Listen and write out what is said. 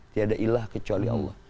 tiada ilah kecuali allah